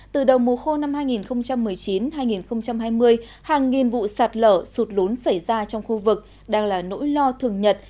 từ đầu mùa khô năm hai nghìn một mươi chín hai nghìn hai mươi hàng nghìn vụ sạt lở sụt lốn xảy ra trong khu vực đang là nỗi lo thường nhật